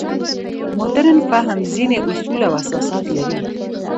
مډرن فهم ځینې اصول او اساسات لري.